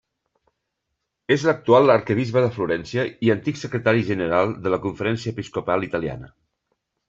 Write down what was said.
És l'actual arquebisbe de Florència i antic secretari general de la Conferència Episcopal Italiana.